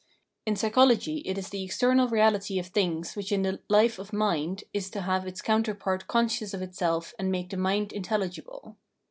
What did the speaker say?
In psychology it is the external reahty of Phrenology 313 things wtiich in the life of mind is to have its counterpart conscious of itself and make the mind inteihgible.